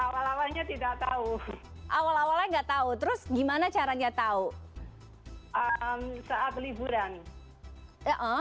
awal awalnya tidak tahu awal awalnya nggak tahu terus gimana caranya tahu saat liburan